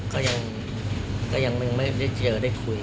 ก็ยังไม่ได้เจอได้คุย